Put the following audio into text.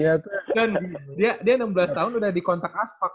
eh tapi dia enam belas tahun udah di kontak aspak